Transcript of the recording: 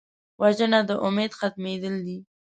وژنه د امید ختمېدل دي